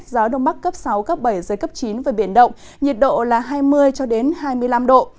gió đông bắc cấp sáu cấp bảy giới cấp chín và biển động nhiệt độ là hai mươi cho đến hai mươi năm độ